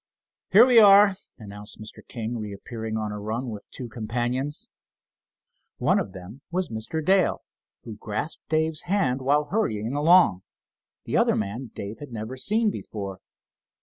"Here we are," announced Mr. King, reappearing on a run with two companions. One of them was Mr. Dale, who grasped Dave's hand while hurrying along. The other man Dave had never seen before.